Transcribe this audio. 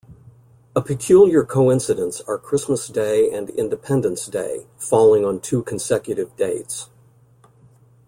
A peculiar coincidence are Christmas Day and Independence Day, falling on two consecutive dates.